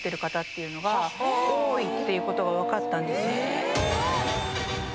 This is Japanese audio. ていうことが分かったんです。